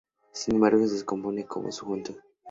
Sin embargo, se desconoce cómo fue su juventud.